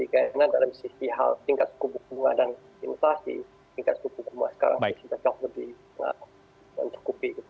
karena dalam sisi hal tingkat suku bunga dan inflasi tingkat suku bunga sekarang sudah jauh lebih cukupi